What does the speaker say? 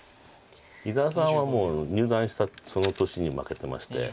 伊田さんはもう入段したその年に負けてまして。